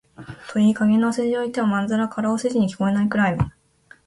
といい加減なお世辞を言っても、まんざら空お世辞に聞こえないくらいの、